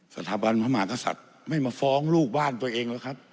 สถาบันพระมหากษัตริย์ไม่มาฟ้องลูกบ้านตัวเองหรอกครับ